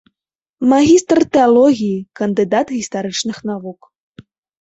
Магістр тэалогіі, кандыдат гістарычных навук.